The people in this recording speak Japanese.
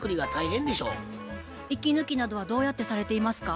息抜きなどはどうやってされていますか？